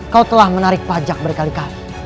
kau telah menarik pajak berkali kali